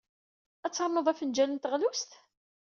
Ad ternud afenjal n teɣlust?